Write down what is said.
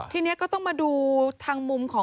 ที่มันก็มีเรื่องที่ดิน